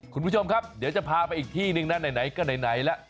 คุณผู้ชมครับเดี๋ยวจะพาไปอีกที่หนึ่งนะไหนก็ไหนแล้ว